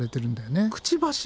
くちばし？